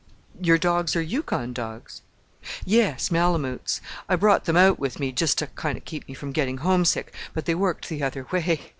"Your dogs are Yukon dogs?" "Yes, Malamoots. I brought them out with me just to kind of keep me from getting homesick, but they worked the other way.